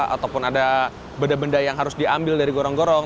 ataupun ada benda benda yang harus diambil dari gorong gorong